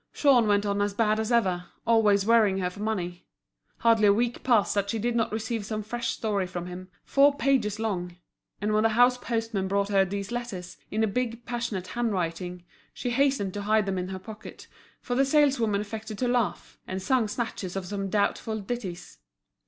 Jean went on as bad as ever, always worrying her for money. Hardly a week passed that she did not receive some fresh story from him, four pages long; and when the house postman brought her these letters, in a big, passionate handwriting, she hastened to hide them in her pocket, for the saleswomen affected to laugh, and sung snatches of some doubtful ditties.